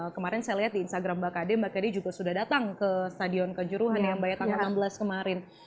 kemarin saya lihat di instagram mbak kade mbak kade juga sudah datang ke stadion kejuruhan ya mbak ya tanggal enam belas kemarin